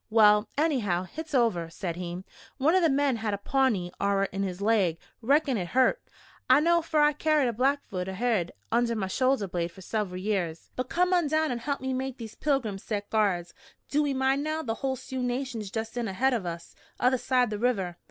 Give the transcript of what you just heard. "Well, anyhow, hit's over," said he. "One of the men had a Pawnee arrer in his laig. Reckon hit hurt. I know, fer I carried a Blackfoot arrerhead under my shoulder blade fer sever'l years. "But come on down and help me make these pilgrims set guards. Do ee mind, now, the hull Sioux nation's just in ahead o' us, other side the river!